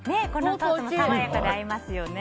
ソースも爽やかで合いますよね。